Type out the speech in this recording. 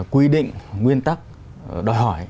quy định nguyên tắc đòi hỏi